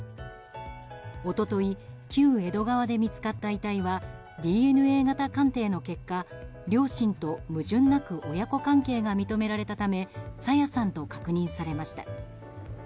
一昨日、旧江戸川で見つかった遺体はＤＮＡ型鑑定の結果両親と矛盾なく親子関係が認められたため朝芽さんと確認されました。